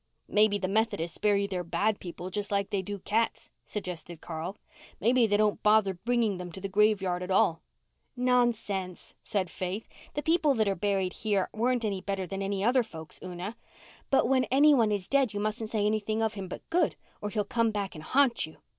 "Maybe the Methodists bury their bad people just like they do cats," suggested Carl. "Maybe they don't bother bringing them to the graveyard at all." "Nonsense," said Faith. "The people that are buried here weren't any better than other folks, Una. But when anyone is dead you mustn't say anything of him but good or he'll come back and ha'nt you.